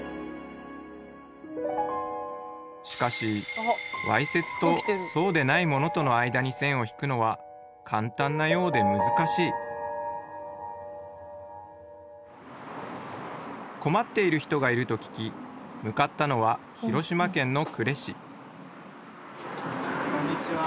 しかし「わいせつ」と「そうでないもの」との間に線を引くのは簡単なようで難しい困っている人がいると聞き向かったのは広島県の呉市こんにちは。